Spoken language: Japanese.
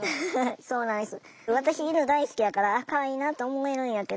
そうなんです。